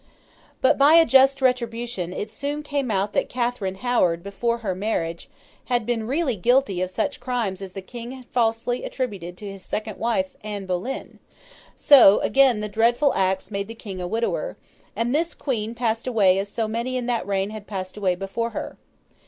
But, by a just retribution, it soon came out that Catherine Howard, before her marriage, had been really guilty of such crimes as the King had falsely attributed to his second wife Anne Boleyn; so, again the dreadful axe made the King a widower, and this Queen passed away as so many in that reign had passed away before her.